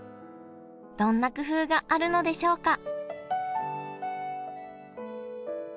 どんな工夫があるのでしょうか？